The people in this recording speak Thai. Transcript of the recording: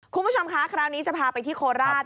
คุณผู้ชมคะคราวนี้จะพาไปที่โคราช